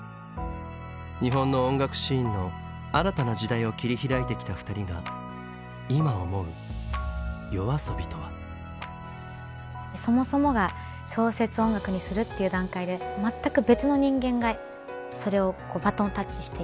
日本の音楽シーンの新たな時代を切り開いてきた２人が今思うそもそもが小説を音楽にするっていう段階で全く別の人間がそれをバトンタッチしていく。